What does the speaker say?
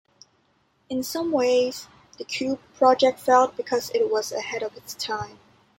In some ways, the Qube project failed because it was ahead of its time.